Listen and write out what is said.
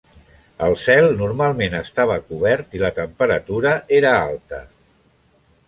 El cel normalment estava cobert i la temperatura era alta.